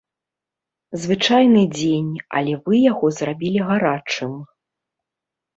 Звычайны дзень, але вы яго зрабілі гарачым.